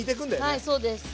はいそうです。